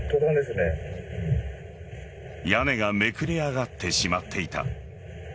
屋根がめくれ上がってしまっていた。